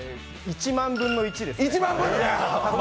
１万分の１ですね。